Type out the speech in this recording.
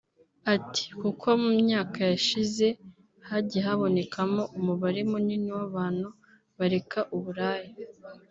Ati “Kuko mu myaka yashize hagiye habonekamo umubare munini w’abantu bareka uburaya